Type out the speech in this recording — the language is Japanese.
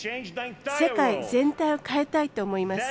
世界全体を変えたいと思います。